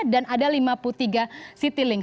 dan ada lima puluh tiga city link